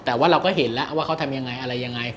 แต่ว่าเราก็เห็นแล้วว่าเขาทำยังไงอะไรยังไง